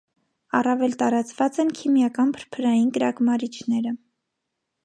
Առավել տարածված են քիմական փրփրային կրակմարիչները։